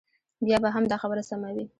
بیا به هم دا خبره سمه وي.